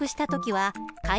はい。